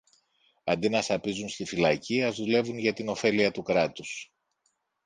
Αντί να σαπίζουν στη φυλακή, ας δουλεύουν για την ωφέλεια του κράτους.